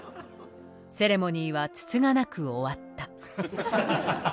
セレモニーはつつがなく終わった。